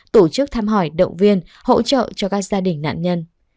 tổ chức thăm hỏi động viên hỗ trợ cho các gia đình nạn nhân